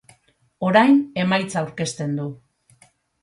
Orain, emaitza aurkezten du.